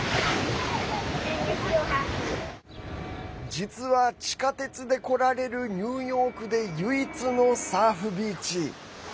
実は地下鉄で来られるニューヨークで唯一のサーフビーチ。